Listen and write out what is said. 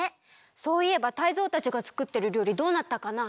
そういえばタイゾウたちがつくってるりょうりどうなったかな？